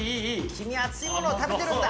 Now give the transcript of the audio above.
君は熱い物を食べてるんだ！